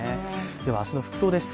明日の服装です。